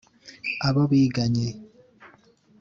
abo biganye